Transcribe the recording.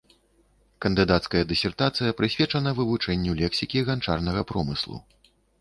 Кандыдацкая дысертацыя прысвечана вывучэнню лексікі ганчарнага промыслу.